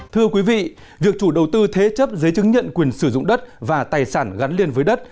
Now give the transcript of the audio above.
thưa quý vị việc chủ đầu tư thế chấp giấy chứng nhận quyền sử dụng đất và tài sản gắn liền với đất